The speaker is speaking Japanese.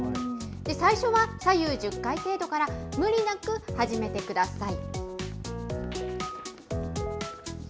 最初は左右１０回程度から、無理なく始めてください。